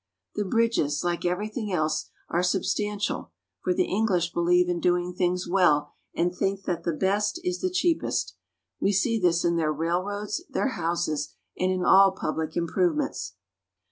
The bridges, like everything else, are substan tial, for the English believe in doing things well, and think that the best is the cheapest. We see this in their rail roads, their houses, and in all public improvements.